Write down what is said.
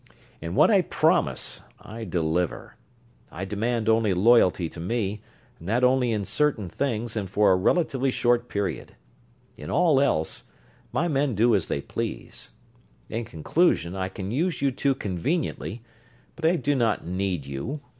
And what I promise, I deliver. I demand only loyalty to me, and that only in certain things and for a relatively short period. In all else, my men do as they please. In conclusion, I can use you two conveniently, but I do not need you.